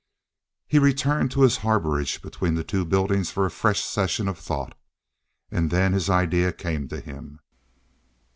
He returned to his harborage between the two buildings for a fresh session of thought. And then his idea came to him.